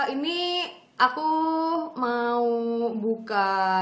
ini aku mau buka